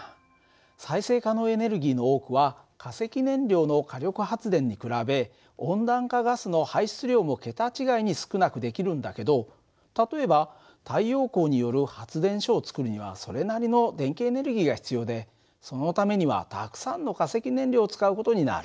再生可能エネルギーの多くは化石燃料の火力発電に比べ温暖化ガスの排出量も桁違いに少なくできるんだけど例えば太陽光による発電所を造るにはそれなりの電気エネルギーが必要でそのためにはたくさんの化石燃料を使う事になる。